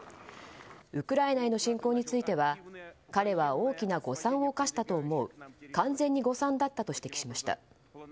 ウクライナへの侵攻については彼は大きな誤算を犯したと思う完全に誤算だったと指摘しました。